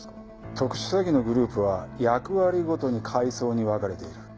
特殊詐欺のグループは役割ごとに階層に分かれている。